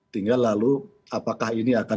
tinggal lalu apakah ini akan